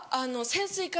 潜水艦？